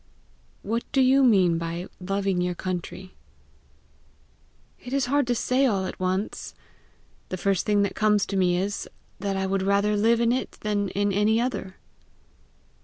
"What do you mean by LOVING YOUR COUNTRY?" "It is hard to say all at once. The first thing that comes to me is, that I would rather live in it than in any other."